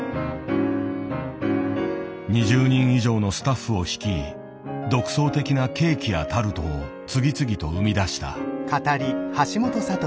２０人以上のスタッフを率い独創的なケーキやタルトを次々と生み出した。